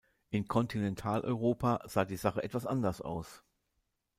In Kontinentaleuropa sah die Sache etwas anders aus.